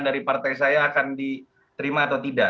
dari partai saya akan diterima atau tidak